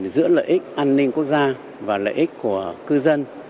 giữa lợi ích an ninh quốc gia và lợi ích của cư dân